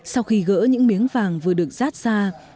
sau khi gỡ những miếng vàng vừa được rát ra